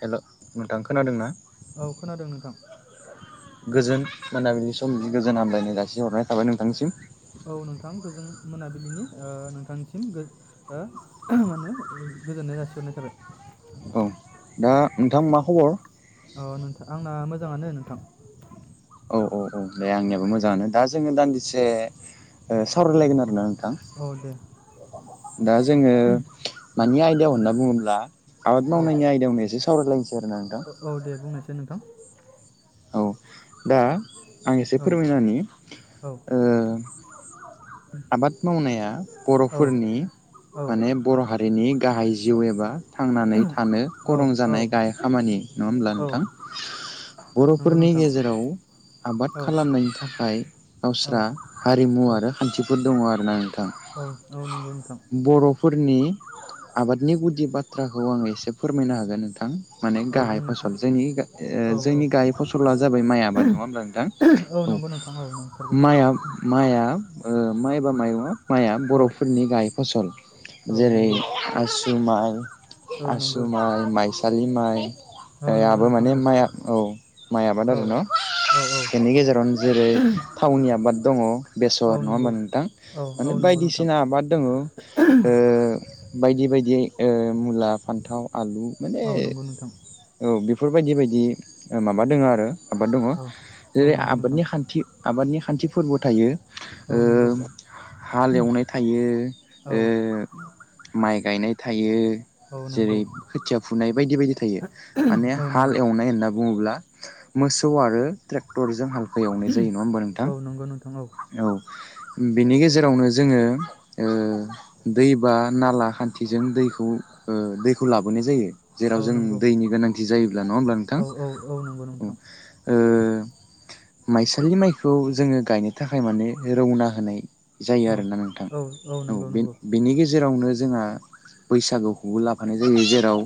हेल' नोंथां खोनादों ना? औ खोनादों नोंथां गोजोन मोनाबिलि समनि गोजोन हामलायनाय जासि हरनाय थाबाय नोंथांसिम। औ नोंथां गोजों मोनाबिलिनि ओ नोंथांनिसिम गो ओ मा होनो गोजोननाय जासिहरनाय औ थाबाय। दा नोंथां मा खबर? औ नोंथां आंना मोजाङानो नोंथां। औ दे औ आंनियाबो मोजाङानो दा जोङो दान्दिसे ओ सावरायलायगोन आरोना। नोंथां औ दे दा जोङो मानि आयदायाव होनना बुङोब्ला आबाद मावनायनि आयदायावनो एसे साव ओ ओ औ दे बुंनायसाय? नोंथां औ दा आं एसे औ फोरमायनानै होनि औ ओ आबाद मावनाया औ बर'फोरनि औ माने बर' हारिनि गाहाय जिउ एबा थांनानै थानो औ गरं औ जानाय गाहाय खामानि नङाहोमब्ला औ नोंथां? नंगौ बर'फोरनि नोंथां गेजेराव आबाद औ खालामनायनि थाखाय थाखाय औ गावस्रा हारिमु औ आरो खान्थिफोर दङ आरो ना नों औ औ नंगौ नोंथां। फोरनि आबादनि गुदि बाथ्राखौ आङो एसे फोरमायनो हागोन नोंथां? माने औ गाहाय बुंनोसै फसल जोंनि ओ औ औ जोंनि गाहाय फसला जाबाय माइ आबाद नङा हब्ला नोंथां औ नंगौ नोंथां औ नंथारगौ मा माइ ओ माइबा मा माइआ औ बर'फोरनि गाहाय फसल औ जेरै नंगौ आसु माइ औ आसु नंगौ माइ माइसा रिमाइ औ नंगौ आबो नोंथां औ माने माइआ औ। माइ आबाद औ आरो न औ औ बेनि गेजेरावनो जेरै थावनि आबाद आबाद दङ औ बेसर नङा होनोमबा नंगौ नोंथां औ औ माने नंगौ नोंथां बायदिसिना आबाद दङ ओ बायदि बायदि ओ मुला फान्थाव आलु माने औ नंगौ नोंथां औ बेफोर बायदि बायदि माबा दङ आरो आबाद दङ औ औ जेरै नंगौ नोंथां आबादनि खान्थि आबादनि खान्थि फोरबो थायो औ ओ नंगौ हाल एवनाय थायो औ ओ माइ गायनाय थायो औ जेरै नंगौ खोथिया फुनाय बायदि बायदि थायो माने औ हाल नंगौ एवनाय होनना बुङोब्ला मोसौ आरो ट्रेक्टर जों हालखौ एवनाय जायो नङा हबा नोंथां? औ नंगौ नोंथां औ बेनि गेजेरावनो जोङो ओ दै बा नाला खान्थिजों दैखौ ओ दैखौ लाबोनाय जायो जेराव औ जों नंगौ दैनि गोनांथि जायोब्ला नङा होमब्ला औ नोंथां औ नंगौ औ नोंथां ओ माइसालि माइखौ जोङो गायनो थाखाय माने रौना होनाय जायो औ आरोना नोंथां औ औ नंगौ बेन नंगौ बेनि गेजेरावनो जोंहा बैसागु खौबो लाफानाय जायो जेराव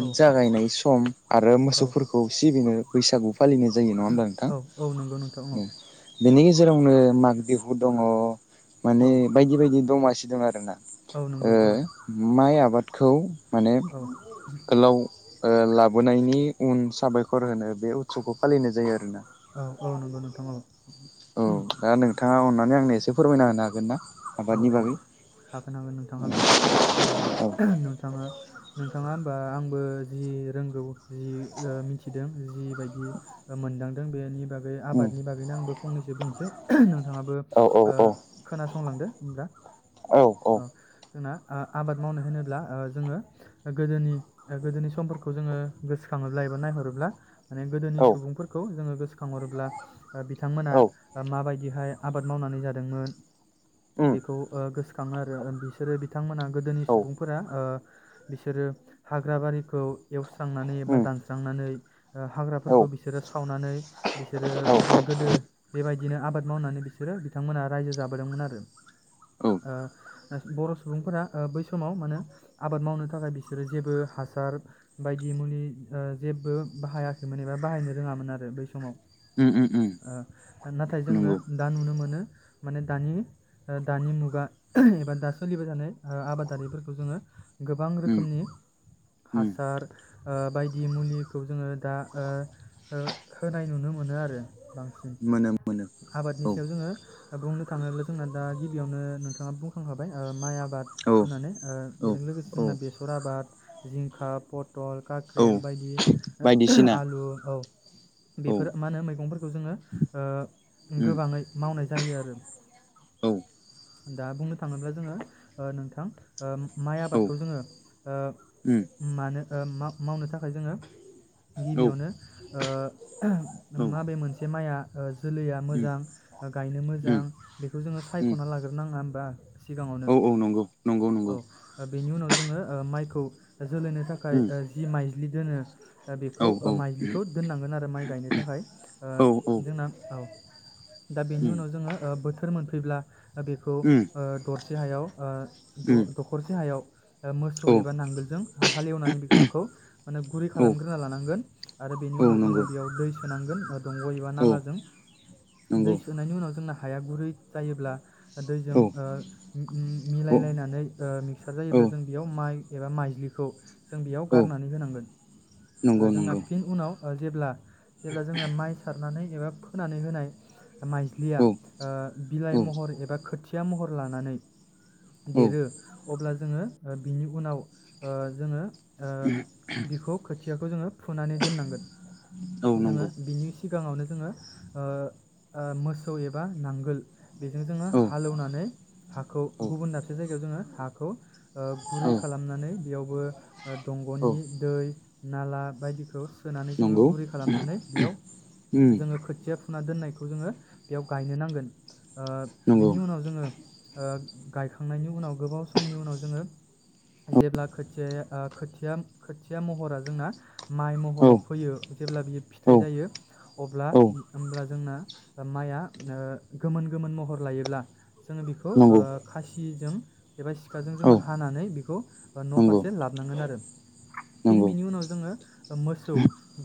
औ जागायनाय सम आरो औ मोसौफोरखौ सिबिनो बैसागु फालिनाय जायो नङा होमब्ला औ औ नंगौ नोंथां बेनि जेरावनो माग बिहु दङ औ माने बायदि बायदि दमासि दों आरोना औ ओ नंगौ औ माइ आबाद खौ माने औ गोलाव ओ लाबोनायनि उन साबायखर होनो बे उत्सबखौ फालिनाय जायो आरोना औ औ नंगौ नोंथां औ औ दा नोंथाङा अनना नै आंनो एसे फोरमायना होनो हागोन ना? औ आबादनि औ बागै हागोन हागोन नोंथां हागोन होमबा औ नोंथाङा नोंथाङा होमबा आंबो जि रोंगौ जि ओ मिथिदों जिबायदि मोनदांदों बेनि बागै उम आबादनि बागैनो आंबो फंनैसो बुंसै नोंथाङाबो औ औ ओ खोनासंलांदो होमब्ला औ औ अ जोंना आ आबाद मावनो होनोब्ला ओ जोङो गोदोनि गोदोनि समफोरखौ जोङो गोसोखाङोब्ला एबा नायहरोब्ला माने गोदोनि औ सुबुंफोरखौ जोङो गोसो खांहरोब्ला ओ बिथांमोना औ ओ माबाय बिहाय आबाद मावनानै जादोंमोन। उम बेखौ ओ गोसो खाङो आरो ओं बिसोरो बिथांमोना गोदोनि औ सुबुंफोरा ओ बिसोरो हाग्रा बारिखौ एवस स्रांनानै एबा उम दानस्रांनानै ओ औ हाग्राफोरखौ बिसोरो सावनानै बिसोरो औ गोदो बेबायदि बिदिनो आबाद मावनानै बिसोरो बिथांमोनहा रायजो जाबोदोंमोन आरो ओ बर' सुबुंफोरा ओ बै समाव माने आबाद मावनो थाखाय बिसोरो जेबो हासार बायदि मुलि ओ जेबो बाहायाखैमोन एबा बाहायनो रोङामोन आरो बै समाव उम उम उम ओ नाथाय जोङो नंगौ दा नुनो मोनो। माने दानि ओ दानि मुगा एबा दा सोलिबायजानाय ओ आबादारिफोरखौ जोङो। गोबां उम रोखोमनि उम हासार ओ बायदि मुलिखौ जोङो दा ओ ओ होनाय नुनो मोनो आरो बांसिन मोनो मोनो आबादनि औ सायाव जोङो। बुंनो थाङोब्ला जोंना दा गिबियावनो नोंथाङा बुंखांखाबाय ओ माइ आ बाद औ होननानै ओ औ बेजों लोगोसे जोंना औ बेसर आबाद जिंखा पट टल औ काख्रेल बायदि ओ बायदिसिना आलु औ औ बेफोरो मा होनो मैगंफोरखौ जोङो ओ उम गोबाङै मावनाय जायो आरो औ दा बुंनो थाङोब्ला जोङो ओ नोंथां ओ माइ औ आबादखौ जोङो उम ओ मानो ओम मा-मावनो थाखाय जोङो औ गिबियावनो ओ औ उम माबे मोनसे माइआ ओ जोलैया मोजां ओ गायनो उम मोजां बेखौ जोङो उम सायख'ना लाग्रो नाङा बा औ औ नंगौ नंगौ नंगौ औ बेनि उनाव जोङो ओ माइखौ जोलैनो थाखाय उम जि माइ बिदि दोनो औ बेखौ माइज्लिखौ दोननांगोन आरो माइ गायनो थाखाय औ औ जोंना औ दा बेनि उम उनाव जोङो बोथोर मोन फैब्ला बेखौ उम दरसे हायाव द-दखरसे हायाव मोसौ औ एबा नांगोलजों हालेवनानै बे हाखौ माने गुरै औ खालामग्रोना लानांगोन आरो बेनि औ उनाव जोङो नंगौ बेयाव दै सोनांगोन दंग' एबा औ नालाजों नंगौ दै सोनायनि उनाव जोंना हाया गुरै जायोब्ला दैजों औ ओ औ मिलायलायनानै ओ मिक्सार औ जायोब्ला जों बेयाव माइ एबा माइजलिखौ जों बेयाव गारनानै होनांगोन नंगौ जोंना नंगौ फिन उनाव जेब्ला जेब्ला जोंना माइ सारनानै एबा फोनानै होनाय माइज्लिया औ ओ बिलाइ औ महर एबा खोथि या महर लानानै औ देरो अब्ला जोङो बिनि उनाव ओ जोङो ओ बिखौ खोथियाखौ जोङो फुनानै दोननांगोन औ जोङो नंगौ बिनि सिगाङावनो जोङो ओमोसौ एबा नांगोल बेजों जोङो औ हालेवनानै हाखौ औ गुबुन दाबसे जाय जोङो हाखौ गुरै औ खालामनानै बेयावबो दंग'नि दै नाला बायदिखौ सोनानै जोङो नंगौ गुरै खालामनानै बेयाव उम जोङो खोथिया फो फुना दोननायखौ जोङो बेयाव गायनो नांगोन नंगौ बेनि उनाव ओ जोङो गाय खांनायनि उनाव गोबाव समनि उनाव जोङो जेब्ला खोथिया खोथिया महरा जोंना माइ औ महराव फैयो जेब्ला बियो औ फिथाइ जायो अब्ला औ होनब्ला जोंना माइआ गोमोन गोमोन महर लायोब्ला जोङो बेखौ नंगौ खासि सिजों एबा सिखाजों औ जोङो हानानै बेखौ न' नंगौ फारसे लाबोनांगोन आरो फिन नंगौ बिनि उनाव जोङो मोसौ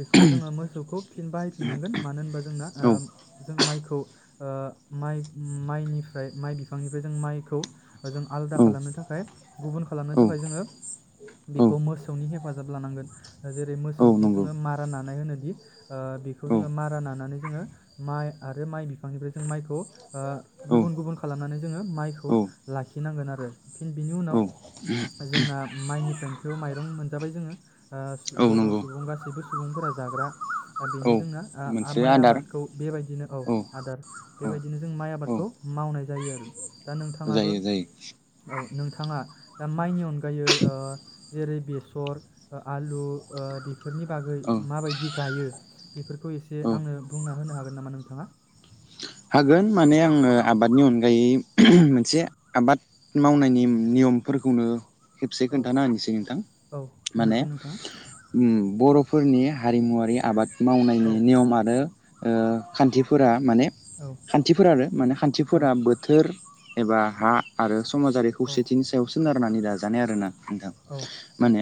बेखौ जोङो मोसौखौ फिन बाहायफिननांगोन मानो होनबा जोंना औ ओ जों माइखौ ओ माइ माइनिफ्राय माइ बिफांनिफ्राय जों माइखौ जों आलादा औ खालामनो थाखाय गुबुन खालामनो औ थाखाय जोङो बेखौ मोसौनि हेफाजाब लानांगोन जेरै औ मोसौजों नंगौ जोङो मारा नानाय होनोदि बेखौ औ जोङो मारा नानानै जोङो माइ आरो माइ बिफांनिफ्राय जों माइखौ औ गुबुन गुबुन खालामनानै जोङो माइखौ औ लाखिनांगोन आरो फिन बिनि औ उनाव जोंना माइनिफ्रायनोथ' माइरं मोनजाबाय जोङो औ बर' नंगौ सुबुं गासैबो सुबुंफोरा जाग्रा औ बेनो जोंना मोनसे माइ आदार आबादखौ बेबायदिनो औ आदार औ बेबायदिनो जों माइ औ आबादखौ मावनाय जायो आरो दा नोंथाङाबो जायो जायो औ नोंथाङा दा माइनि अनगायै ओ जेरै बेसर आलु ओ बेफोरनि बागै औ माबायदि गायो बेफोरखौ एसे आंनो बुंना होनो हागोन नामा नोंथाङा हागोन माने आङो आबादनि अनगायै मोनसे आबाद मावनायनि नियमफोरखौनो खेबसे औ खोन्थाना होनोसै नोंथां औ माने बुंनायसाय नोंथाङा उम बर' फोरनि हारिमुवारि आबाद औ मावनायनि नियम आरो ओ खान्थिफोरा माने औ खान्थिफोर आरो माने औ खान्थिफोरा बोथोर एबा हा आरो समाजारि औ खौसेथिनि सायावसोन थारनाने दाजानाय आरोना था औ माने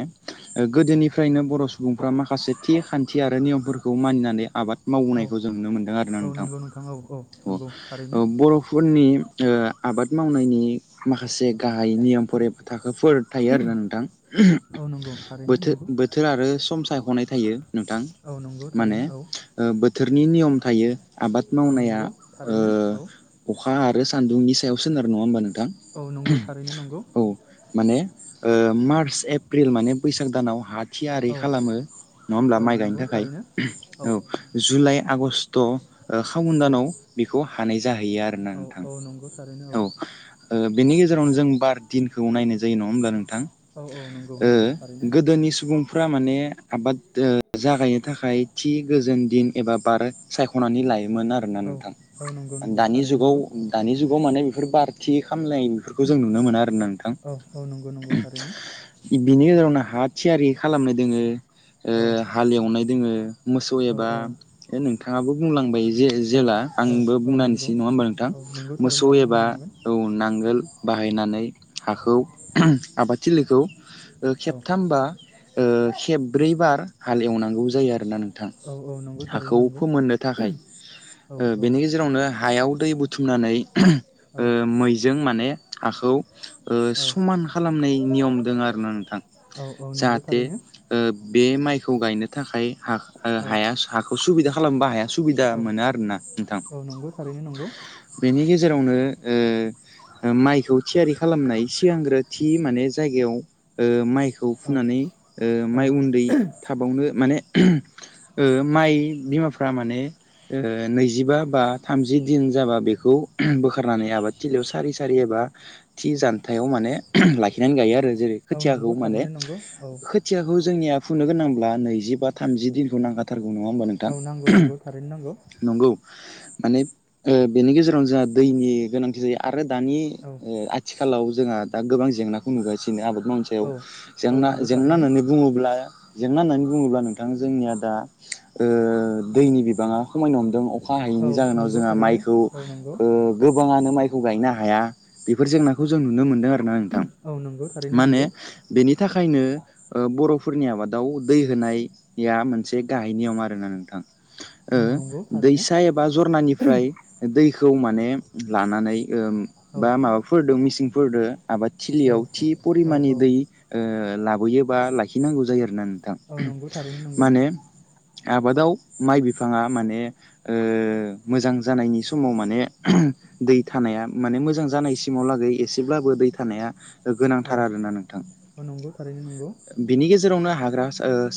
गोदोनिफ्रायनो बर' सुबुंफ्रा माखासे थि खान्थि आरो नियमफोरखौ मानिनानै आबाद औ मावोनायखौ जों नुनो मोनदों आरोना औ नोंथां नंगौ औ औ नंगौ अ थारैनो बर'फोरनि ओ आबाद मावनायनि माखासे गाहाय नियमफोर थाखोफोर थायो आरोना नोंथां औ नंगौ थारैनो बोथोर नंगौ बोथोर आरो सम सायख'नाय थायो नोंथां औ नंगौ माने थारैनो औ बोथोरनि नियम थायो आबाद औ मावनाया नंगौ थारैनो औ खा आरो सान्दुंनि सायावसोन आरो नङा होमबा नों थां औ नंगौ थारैनो नंगौ औ माने ओ मार्स एप्रिल माने बैसाग गोदानाव हान थियारि औ खालामो नङा होमब्ला औ माइ गायनो नंगौ थाखाय थारैनो औ जुलाइ आगषट थ ओ खाउन औ दानाव बेखौ हानायो जाहैयो आरोना औ नोंथां औ नंगौ थारैनो औ बेनि गेजेरावनो जों बार दिनखौ नाय जायो नङा होमब्ला नों थां औ औ नंगौ नंगौ थारैनो ओ गोदोनि सुबुंफ्रा माने आबाद जागायनो थाखाय थि गोजोन दिन एबा बार सायख'नानै लायो मोन आर ना औ नोंथां औ नंगौ नंगौ दानि थारैनो जुगाव नंगौ दानि जुगाव माने बेफोर बारथि [unintelligible] बेफोरखौ जों नुनो मोना आरो ना नोंथां। औ औ नंगौ नंगौ थारैनो बिनि गेजेरावनो हा थियारि खालामनो दोङो। ओ औ हालेवनाय दोङो मोसौ औ एबा औ ओ नोंथाङाबो बुंलांबाय औ जे-जेला आं औ औ नंगौ बुंनानैसै नङा होमबा नोंथां औ नंगौ थारैनो मोसौ औ एबा बुंनो हागोन औ नांगोल बाहायनानै हाखौ आबाद थिलि बेखौ ओ औ खेबथामबा ओ खेब्रै बार हाल एवनांगौ जायो आरोना नों थां औ औ नंगौ हाखौ थारैनो नंगौ फोमोननो थाखाय। औ ओ बेनि गेजेरावनो हायाव दै बुथुमनानै औ ओ मैजों माने हाखौ ओ औ समान खालामनाय नियम दङ आरो ना नोंथां औ औ नंगौ जाहाथे थारैनो ओ बे माइखौ गायनो थाखाय हाख ओ औ हायास हाख सुबिदा खालामबो हाया सुबिदा औ मोनो आरोना। औ नंगौ थारैनो नंगौ। बिनि गेजेरावनो ओ माइखौ थियारि खालामनाय सिगांग्रो थि माने जायगायाव माइखौ औ फुनानै ओ औ माइ उन्दै थाबावनो माने ओ माइ बिमाफ्रा माने ओ नै जिबा बा थामजि दिन जाबा बेखौ बोखारनानै आबाद थिलियाव सारि सारि एबा थि जान थायाव माने लाखि नानै गायो आरो जेरै औ खोथियाखौ नंगौ माने थारैनो नंगौ औ खोथियाखौ जोंनिया फुंनो गोनांब्ला नैजि बा थामजि दिनखौ नांखाथारगो गौ नङा होमबा नोंथां? औ नांगौ नांगौ थारैनो नांगौ नंगौ। माने ओ बेनि गेजेरावनो जोंहा दैनि गोनांथि जायो आर आरो दानि औ ओ आथि खालाव जोंहा दा गोबां जे जेंनाखौ नुगासिनो आबाद माव सायाव औ औ जेंना नंगौ जेंना थारैनो होननानै बुङोब्ला जेंना होननानै बुङोब्ला नोंथां जोंनिया दा ओ दैनि बिबाङा खमायनो हमदों। अखा औ हायैनि जाहोनाव नंगौ जोंहा थारैनो माइखौ औ नंगौ ओ गो बाङानो माइखौ गायनो हाया बेफोर जेंनाखौ जों नुनो मोनदों आरो। ना नोंथां औ नंगौ थारैनो मा होनो नंगौ बेनि बेनि थाखायनो बर'फोरनि आबादाव दै होनाया मोनसे गाहाय नियम आरोना नोंथां ओ नंगौ थारैनो दैसा जरनानिफ्राय दै दैखौ माने लानानै ओ औ बा माबाफोर द मिसिंफोरजों आबाद औ थिलियाव थि औ फरिमाननि औ दै लाबोयोबा लाखिनांगौ जायो आरोना औ नंगौ थारैनो नंगौ माने आबादाव माइ बिफाङा माने ओ मोजां जानायनि समाव माने दै थानाया माने मोजां जानायसिमाव लागै एसेब्लाबो दै थानाया औ गोनांथार आरोना नोंथां औ नंगौ थारैनो नंगौ बेनि गेजेराव गेजेरावनो हाग्रा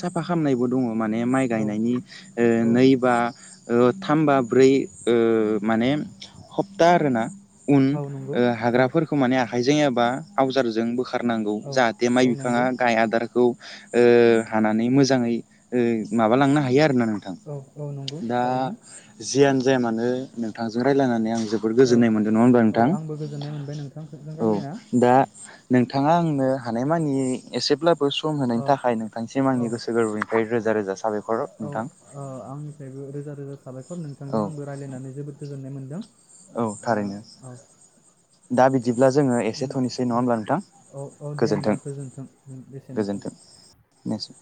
साफा खामनायबो दङ माने माइ औ गायनायनि औ नै बा थाम बा ब्रै ओ माने हप्ता आरोना उन औ नंगौ औ हाग्राफोरखौ माने हाइजें एबा आवजारजोंबो बोखारनांगौ औ जाहाथे माइ औ बिफाङा नंगौ गाय आदार खौ हानानै मोजाङै माबालांनो हायो आरोना नोंथां औ औ नंगौ दा थारैनो जियानो जाया मानो नों नोंथांजों रायज्लायनानै आं जोबोद औ गोजोननाय मोनदों नङा होनबा औ नोंथां आंबो गोजोननाय मोनबाय नोंथांजों औ रायलायना दा नोंथाङा आंनो हानायमानि एसेब्ला खौ सम होनायनि औ थाखाय नोंथांसिम आंनि औ गोसो गोरबो रोजा रोजा साबायखर औ नोंथां औ आंनिफ्रायबो रोजा [unintelligible] साबायखर औ नोंथांजों आंबो रायल्लायनानै जोबोद गोजोननाय मोन्दों औ थारैनो दा बिदि बिदिब्ला जोङो एसे थनिसै नङा औ होमब्ला औ औ नोंथां दे होमबा गोजोनथों गोजोन्थों एसेनोसै गोजोनथों बेनोसै